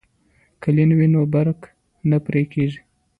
که لین وي نو برق نه پرې کیږي.